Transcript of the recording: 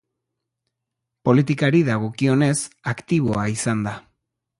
Politikari dagokionez, aktiboa izan da.